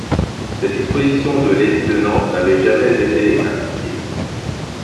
Cette disposition de l'édit de Nantes n'avait jamais été appliquée.